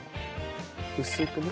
薄くね。